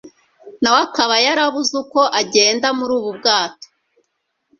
nawe akaba yarabuze uko agenda muri ubu bwato